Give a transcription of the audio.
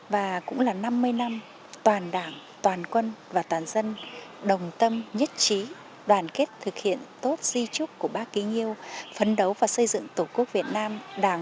và cũng là năm mươi năm toàn đảng toàn quân và toàn dân đồng tâm nhất trí đoàn kết thực hiện tốt di trúc của bác kính yêu phấn đấu và xây dựng tổ quốc việt nam